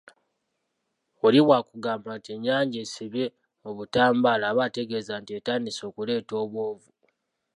Oli bw’akugamba nti ennyanja esibye obutambaala aba ategeeza nti etandise okuleeta obwovu.